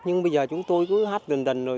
nhưng bây giờ chúng tôi cứ hát đần đần rồi